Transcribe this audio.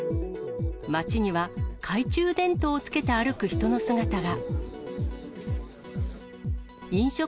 街には懐中電灯をつけて歩く人の姿が。